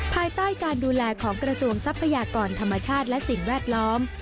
ภายใต้การดูแลของกระทรวงทรัพยากรธรรมชาติและสิ่งแวดล้อม